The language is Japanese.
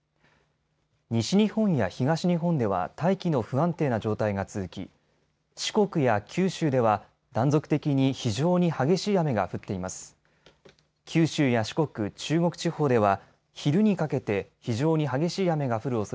西日本や東日本では大気の不安定な状態が続き四国や九州では断続的に非常に激しい雨が降っています。